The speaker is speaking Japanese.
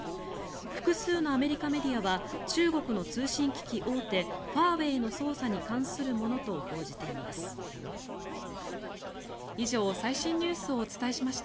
複数のアメリカメディアは中国の通信機器大手ファーウェイの捜査に関するものと報じています。